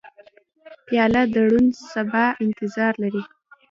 پیاله د روڼ سبا انتظار لري.